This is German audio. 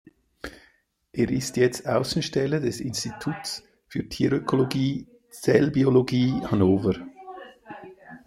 Er ist jetzt Außenstelle des Instituts für Tierökologie und Zellbiologie Hannover.